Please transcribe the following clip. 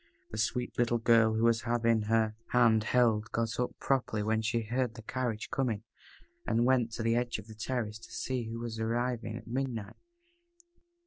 The sweet little girl, who was having her hand held, got up properly when she heard the carriage coming, and went to the edge of the terrace to see who was arriving at midnight.